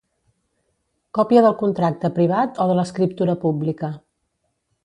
Còpia del contracte privat o de l'escriptura pública.